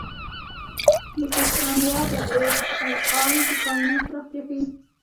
د سوپرنووا Ia د کائنات پراختیا ښيي.